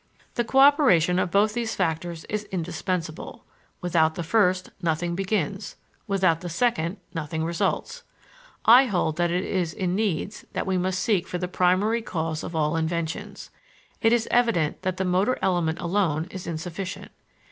The coöperation of both these factors is indispensable: without the first, nothing begins; without the second, nothing results. I hold that it is in needs that we must seek for the primary cause of all inventions; it is evident that the motor element alone is insufficient.